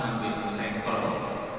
kemudian juga akan membetulkan